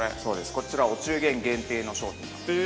こちらお中元限定の商品なんです。